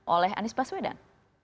oleh anies baswedan